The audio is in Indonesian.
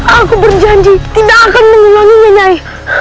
aku berjanji tidak akan mengulanginya nyai